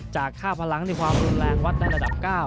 ค่าพลังในความรุนแรงวัดได้ระดับ๙